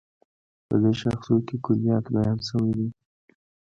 په دې شاخصو کې کُليات بیان شوي دي.